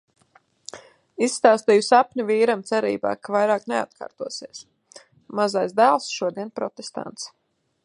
Izstāstīju sapni vīram cerībā, ka vairāk neatkārtosies. Mazais dēls šodien protestants.